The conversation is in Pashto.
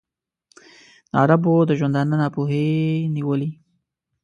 د عربو د ژوندانه ناپوهۍ نیولی.